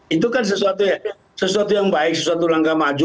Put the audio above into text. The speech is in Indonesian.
itu kan sesuatu yang baik sesuatu langkah maju